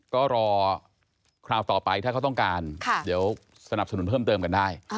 ก็รอคราวต่อไปถ้าเขาต้องการเดี๋ยวสนับสนุนเพิ่มเติมกันได้